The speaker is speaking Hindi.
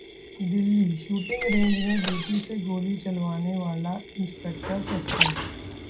दिल्ली: शूटिंग रेंज में बेटी से गोली चलवाने वाला इंस्पेक्टर सस्पेंड